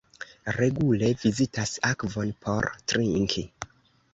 Regule vizitas akvon por trinki.